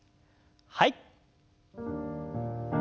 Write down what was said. はい。